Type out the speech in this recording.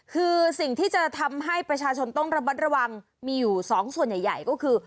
คือสิ่งที่จะทำให้ประชาชนต้องระมัดระวังมีอยู่สองส่วนใหญ่ก็คือ